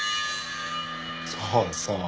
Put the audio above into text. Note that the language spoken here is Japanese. そうそう。